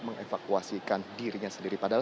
mengevakuasikan dirinya sendiri padahal